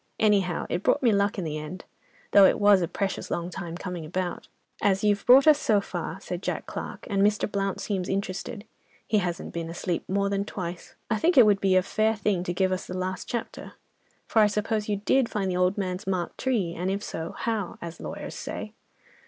Anyhow it brought me luck in the end, though it was a precious long time coming about." "As you've brought us so far," said Jack Clarke, "and Mr. Blount seems interested (he hasn't been asleep more than twice), I think it would be a fair thing to give us the last chapter. For, I suppose you did find the old man's marked tree, and if so, how? as lawyers say."